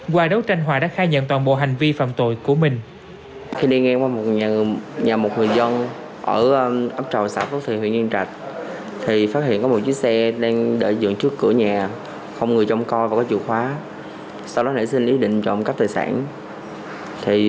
qua đấu tranh hòa đã khai nhận toàn bộ hành vi phạm tội của mình